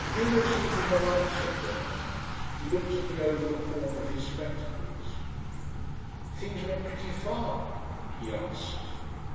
Willersley did not answer for a moment. He looked at me over the corner of his spectacles. "Things went pretty far?" he asked.